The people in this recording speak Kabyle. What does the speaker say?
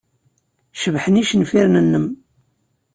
Cebḥen yicenfiren-nnem.